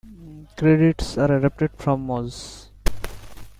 Credits are adapted from Muze.